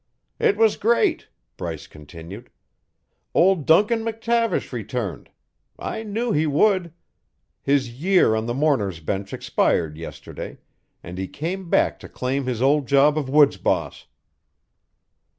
"It was great," Bryce continued. "Old Duncan McTavish returned. I knew he would. His year on the mourner's bench expired yesterday, and he came back to claim his old job of woods boss."